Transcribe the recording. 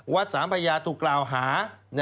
สามพญาถูกกล่าวหา